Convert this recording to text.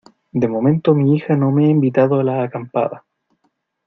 de momento mi hija no me ha invitado a la acampada